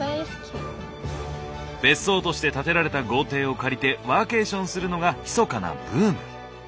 別荘として建てられた豪邸を借りてワーケーションするのがひそかなブーム。